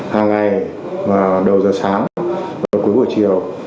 hàng ngày đầu giờ sáng và cuối buổi chiều